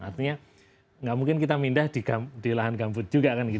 artinya tidak mungkin kita pindah di lahan gambut juga kan